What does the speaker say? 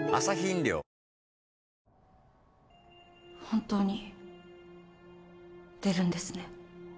本当に出るんですね？